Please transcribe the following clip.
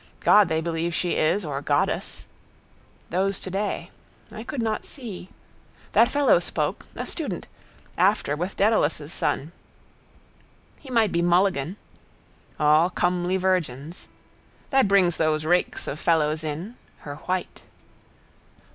God they believe she is: or goddess. Those today. I could not see. That fellow spoke. A student. After with Dedalus' son. He might be Mulligan. All comely virgins. That brings those rakes of fellows in: her white.